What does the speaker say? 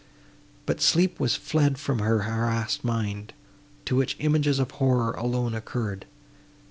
But sleep was fled from her harassed mind, to which images of horror alone occurred.